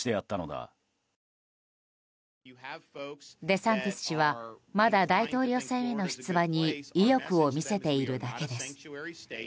デサンティス氏はまだ大統領選への出馬に意欲を見せているだけです。